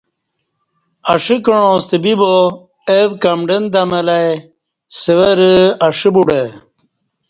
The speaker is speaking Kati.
اݜہ کعاں ستہ بیبا او کمڈن دمہ لہ ائی سورہ اݜہ بوڈہ